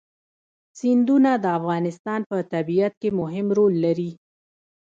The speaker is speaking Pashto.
سیندونه د افغانستان په طبیعت کې مهم رول لري.